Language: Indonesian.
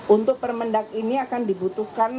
untuk permendak ini akan dibutuhkan